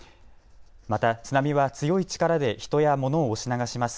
また津波は強い力で人や物を押し流します。